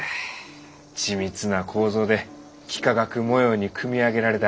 緻密な構造で幾何学模様に組み上げられた